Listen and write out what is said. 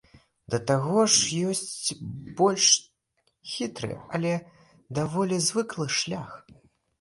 Да таго ж, ёсць больш хітры, але даволі звыклы шлях.